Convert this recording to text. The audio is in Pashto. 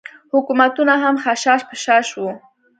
حکومتونه هم خشاش بشاش وو.